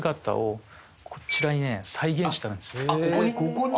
ここに？